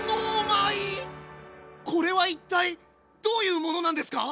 これは一体どういうものなんですか？